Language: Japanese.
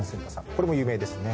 これも有名ですね。